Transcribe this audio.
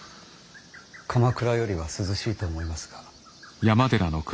鎌倉よりは涼しいと思いますが。